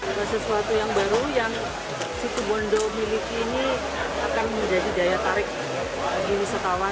ada sesuatu yang baru yang situ bondo miliki ini akan menjadi daya tarik bagi wisatawan